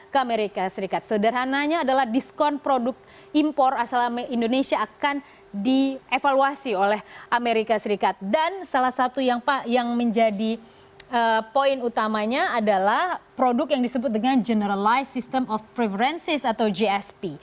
ke amerika serikat sederhananya adalah diskon produk impor asal indonesia akan dievaluasi oleh amerika serikat dan salah satu yang menjadi poin utamanya adalah produk yang disebut dengan generalized system of preferences atau gsp